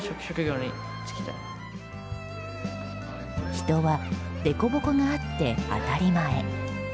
人は凸凹があって当たり前。